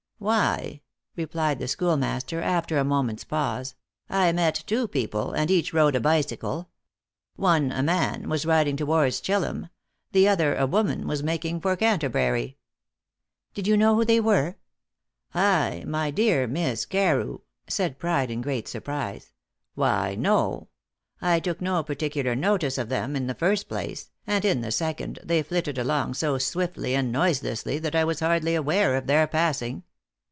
"Why," replied the schoolmaster after a moment's pause, "I met two people, and each rode a bicycle. One, a man, was riding towards Chillum; the other, a woman, was making for Canterbury." "Did you know who they were?" "I, my dear Miss Carew!" said Pride in great surprise "why, no. I took no particular notice of them, in the first place; and in the second, they flitted along so swiftly and noiselessly that I was hardly aware of their passing."